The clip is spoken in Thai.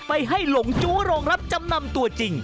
ไปให้หลงจู้โรงรับจำนำตัวจริง